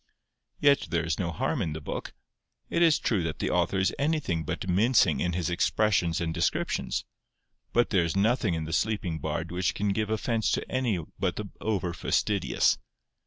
'Yet there is no harm in the book. It is true that the author is anything but mincing in his expressions and descriptions, but there is nothing in the Sleeping Bard which can give offence to any but the over fastidious.